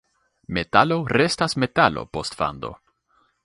Metalo restas metalo post fando.